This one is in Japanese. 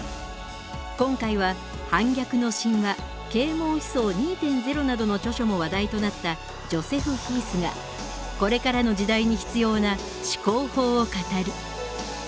今回は「反逆の神話」「啓蒙思想２．０」などの著書も話題となったジョセフ・ヒースがこれからの時代に必要な「思考法」を語る。